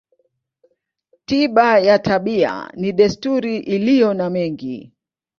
Tiba ya tabia ni desturi iliyo na mengi.